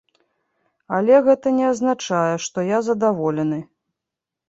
Але гэта не азначае, што я задаволены.